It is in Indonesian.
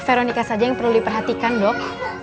veronica saja yang perlu diperhatikan dok